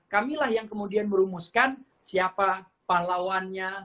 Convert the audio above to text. kamilah yang kemudian merumuskan siapa pahlawannya